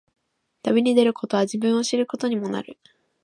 旅に出ることは、自分を知ることにもなる。